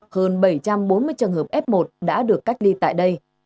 hơn bảy trăm bốn mươi trường hợp f một đã được cách ly tại đây